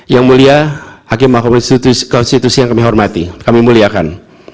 yang mulia hakim mahkamah konstitusi yang kami hormati kami muliakan